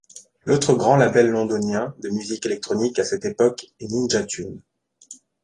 L'autre grand label londonien de musique électronique à cette époque est Ninja Tune.